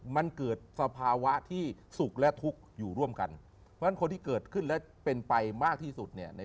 มันเกิดสภาวะที่สุขและทุกข์อยู่ร่วมกันเพราะฉะนั้นคนที่เกิดขึ้นและเป็นไปมากที่สุดเนี่ย